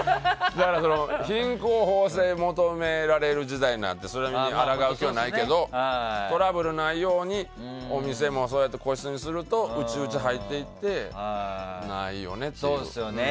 だから、品行方正が求められる時代になってそれにあらがう気はないけどトラブルがないようにお店も個室にすると内々入っていってないよねって。